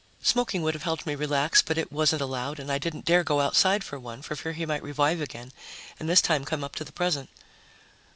Smoking would have helped me relax, but it wasn't allowed, and I didn't dare go outside for one, for fear he might revive again and this time come up to the present.